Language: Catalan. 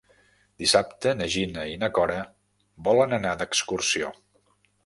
Dissabte na Gina i na Cora volen anar d'excursió.